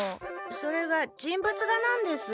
それが人物画なんです。